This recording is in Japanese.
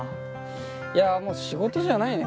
いやもう仕事じゃないね